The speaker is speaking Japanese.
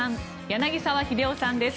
柳澤秀夫さんです。